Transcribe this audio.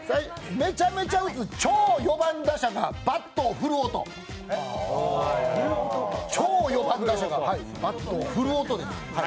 めちゃめちゃ打つ超４番打者がバットを振る音です。